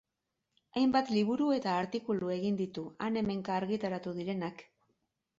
Hainbat liburu eta artikulu egin ditu, han-hemenka argitaratu direnak.